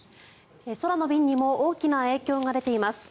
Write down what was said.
空の便にも大きな影響が出ています。